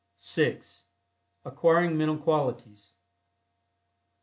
(6) ACQUIRING MENTAL QUALITIES.